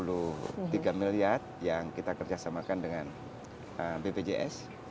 ada tujuh puluh tiga miliar yang kita kerjasamakan dengan bpjs